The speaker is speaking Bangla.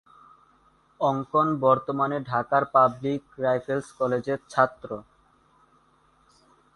অঙ্কন বর্তমানে ঢাকার পাবলিক রাইফেলস কলেজের ছাত্র।